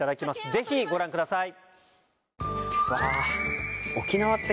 ぜひご覧ください。